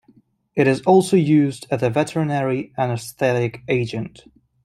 It is also used as a veterinary anesthetic agent.